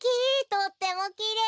とってもきれい！